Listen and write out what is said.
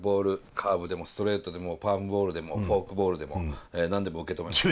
カーブでもストレートでもパームボールでもフォークボールでも何でも受け止めます」。